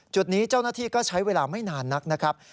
จุดนี้เจ้าหน้าที่ก็ใช้เวลาไม่นานนักนะครับ